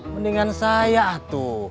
mendingan saya atu